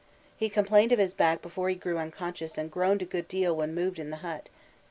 He complained of his back before he grew unconscious and groaned a good deal when moved in the hut.